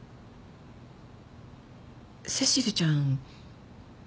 セシルちゃん。